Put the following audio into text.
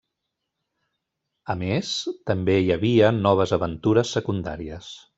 A més, també hi havia noves aventures secundàries.